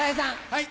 はい。